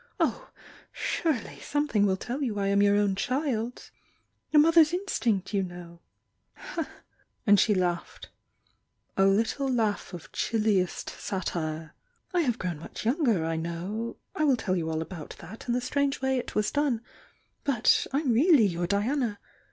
Oh, surely something will tell you I am your own ch d! A mother's instinct, you know!" And she lauded,— a little laugh of chilliest satire. "I have grown much younger, I know — I will tell you all about that and the strange way it was done!— but I'm really your Diana!